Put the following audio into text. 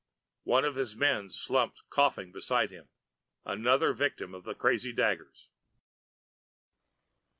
One of his men slumped coughing beside him, another victim of the crazy daggers.